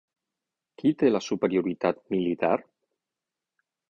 Qui té la superioritat militar?